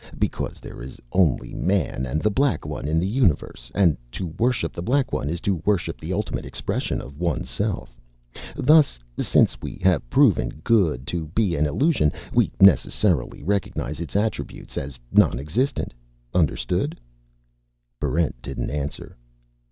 Because there is only man and The Black One in the universe, and to worship The Black One is to worship the ultimate expression of oneself. Thus, since we have proven Good to be an illusion, we necessarily recognize its attributes as nonexistent. Understood?" Barrent didn't answer.